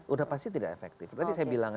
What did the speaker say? udah pasti tidak efektif tadi saya bilang